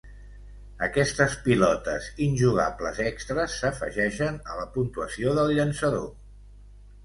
Aquestes pilotes injugables extres s'afegeixen a la puntuació del llançador.